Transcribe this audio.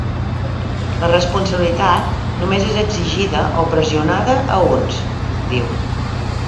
La responsabilitat només és exigida o pressionada a uns, diu.